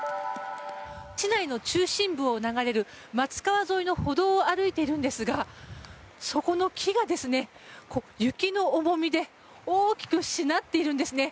市内の中心部を流れる松川沿いの歩道を歩いているのですがそこの木が、雪の重みで大きくしなっているんですね。